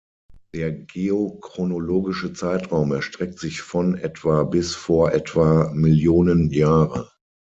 Der geochronologische Zeitraum erstreckt sich von etwa bis vor etwa Millionen Jahre.